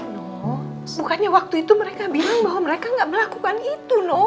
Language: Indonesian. noh bukannya waktu itu mereka bilang bahwa mereka gak melakukan itu noh